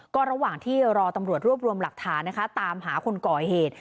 ก็ระหว่างที่รอตำรวจรวบรวมหลักฐานนะคะตามหาคนก่อเหตุ